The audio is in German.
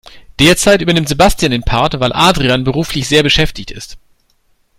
Derzeit übernimmt Sebastian den Part, weil Adrian beruflich sehr beschäftigt ist.